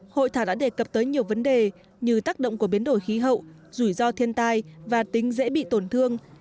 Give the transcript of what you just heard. hội thảo đã đề cập tới nhiều vấn đề như tác động của biến đổi khí hậu rủi ro thiên tai và tính dễ bị tổn thương